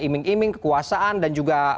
iming iming kekuasaan dan juga